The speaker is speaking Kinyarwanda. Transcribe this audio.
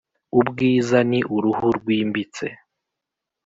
ubwiza ni uruhu rwimbitse